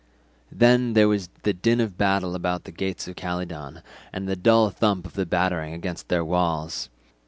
"Then was heard the din of battle about the gates of Calydon, and the dull thump of the battering against their walls.